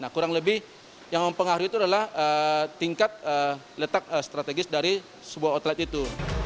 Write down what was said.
kurang lebih yang mempengaruhi itu adalah tingkat letak strategis dari sebuah outlet itu